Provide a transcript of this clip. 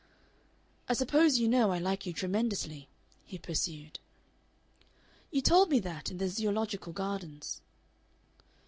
"I suppose you know I like you tremendously?" he pursued. "You told me that in the Zoological Gardens."